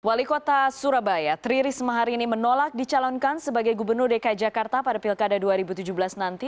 wali kota surabaya tri risma hari ini menolak dicalonkan sebagai gubernur dki jakarta pada pilkada dua ribu tujuh belas nanti